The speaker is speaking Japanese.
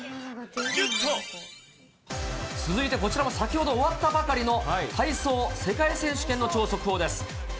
続いてこちらも、先ほど終わったばかりの体操世界選手権の超速報です。